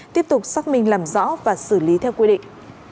tiếp tục xác minh làm rõ và xử lý theo quy định